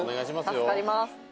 助かります